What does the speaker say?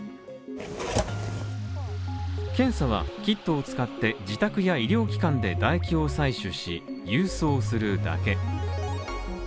検査はキットを使って、自宅や医療機関で唾液を採取し、郵送するだけ。